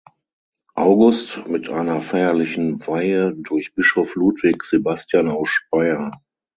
August mit einer feierlichen Weihe durch Bischof Ludwig Sebastian aus Speyer.